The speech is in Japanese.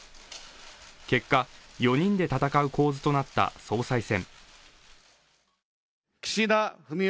結果、４人で戦う構図となった総裁選。